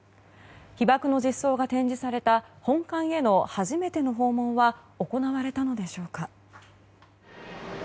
被爆の実相が展示された本館への初めての訪問は行われたのでしょうか。